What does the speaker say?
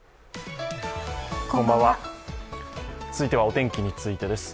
続いてはお天気についてです。